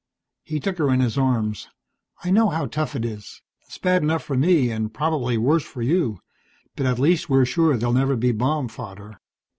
_ He took her in his arms. "I know how tough it is. It's bad enough for me, and probably worse for you. But at least we're sure they'll never be bomb fodder.